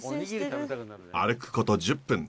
歩くこと１０分